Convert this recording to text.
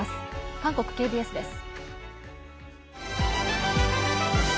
韓国ＫＢＳです。